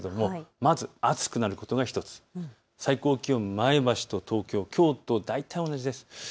まず暑くなることが１つ、最高気温、前橋と東京、きょうと大体、同じです。